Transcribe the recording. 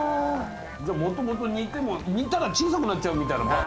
もともと煮ても煮たら小さくなっちゃうみたいな。